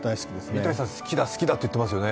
三谷さん、好きだ好きだって言っていますよね。